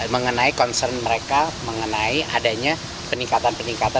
mengenai concern mereka mengenai adanya peningkatan peningkatan